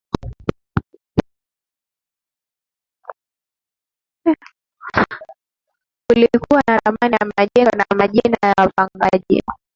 Kulikuwa na ramani ya jengo na majina ya wapangaji